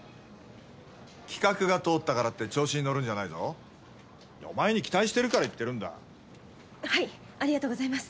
企画が通ったからって調子に乗るんじゃないやお前に期待してるから言ってるんはいありがとうございます。